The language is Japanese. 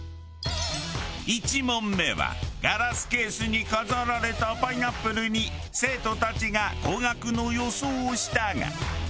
１問目はガラスケースに飾られたパイナップルに生徒たちが高額の予想をしたが。